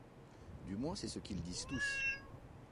Du moins c'est ce qu'ils disent tous.